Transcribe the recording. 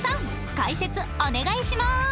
解説お願いしまーす！